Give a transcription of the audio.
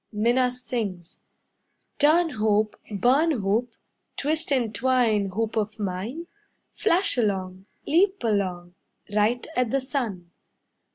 Minna sings: "Turn, hoop, Burn hoop, Twist and twine Hoop of mine. Flash along, Leap along, Right at the sun.